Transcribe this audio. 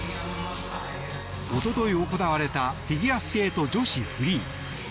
一昨日行われたフィギュアスケート女子フリー。